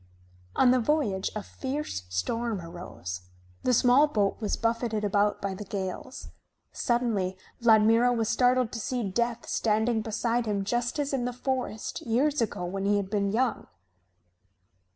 On the voyage a fierce storm arose. The small boat was buffetted about by the gales. Suddenly Vladmiro was startled to see Death standing beside him just as in the forest years ago when he had been young.